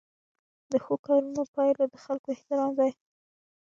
د ښو کارونو پایله د خلکو احترام دی.